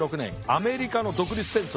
アメリカの独立戦争